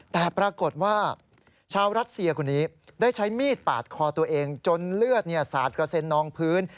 แต่ปรากฏว่าชาวรัสเซียคนนี้ได้ใช้มีดปาดคอตัวเองจนเลือดสาดกระเซ็นนองพื้น